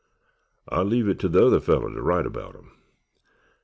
_ I leave it t'the other feller ter write 'baout 'em.